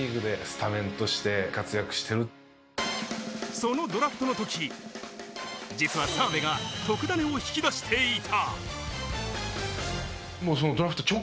そのドラフトの時に実は澤部が特ダネを引き出していた。